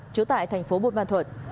chú tại thành phố bùn văn thuận